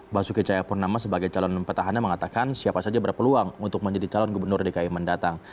basuki cahayapurnama sebagai calon petahana mengatakan siapa saja berpeluang untuk menjadi calon gubernur dki mendatang